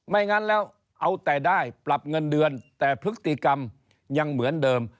งั้นแล้วเอาแต่ได้ปรับเงินเดือนแต่พฤติกรรมยังเหมือนเดิม